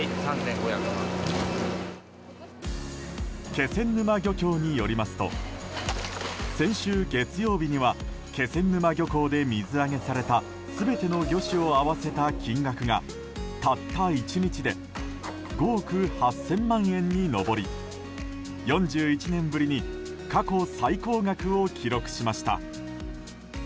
気仙沼漁協によりますと先週月曜日には気仙沼漁港で水揚げされた全ての魚種を合わせた金額がたった１日で５億８０００万円に上り４１年ぶりに過去最高額を記録しました。